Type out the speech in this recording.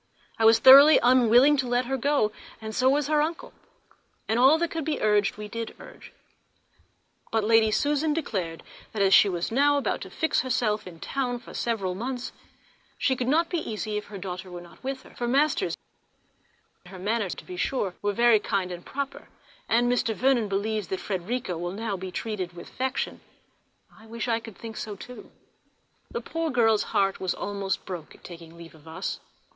I was thoroughly unwilling to let her go, and so was her uncle; and all that could be urged we did urge; but Lady Susan declared that as she was now about to fix herself in London for several months, she could not be easy if her daughter were not with her for masters, &c. Her manner, to be sure, was very kind and proper, and Mr. Vernon believes that Frederica will now be treated with affection. I wish I could think so too. The poor girl's heart was almost broke at taking leave of us.